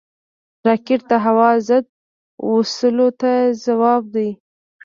راکټ د هوا ضد وسلو ته ځواب دی